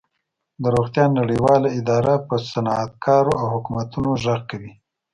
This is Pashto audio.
د روغتیا نړیواله اداره په صنعتکارو او حکومتونو غږ کوي